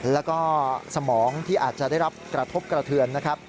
แล้วก็สมองที่อาจจะได้รับกระทบกระเทือนนะครับ